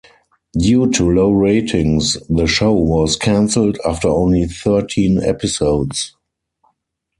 Due to low ratings, the show was cancelled after only thirteen episodes.